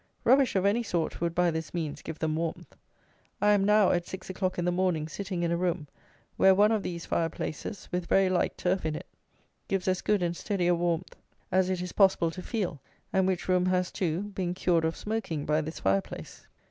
Rubbish of any sort would, by this means, give them warmth. I am now, at six o'clock in the morning, sitting in a room, where one of these fire places, with very light turf in it, gives as good and steady a warmth as it is possible to feel, and which room has, too, been cured of smoking by this fire place.